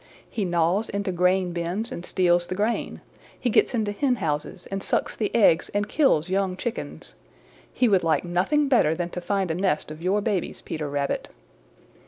He gnaws into grain bins and steals the grain. He gets into hen houses and sucks the eggs and kills young chickens. He would like nothing better than to find a nest of your babies, Peter Rabbit."